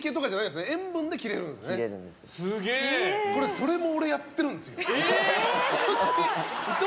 それも俺やってるんですよ。